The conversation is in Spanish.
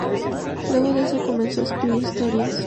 Luego de eso comenzó a escribir historias.